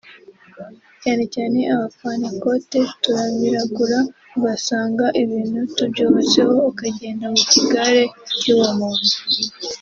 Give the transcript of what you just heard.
cyane cyane abapantekote turamiragura ugasanga ibintu tubyubatseho ukagenda mu kigare cy’uwo muntu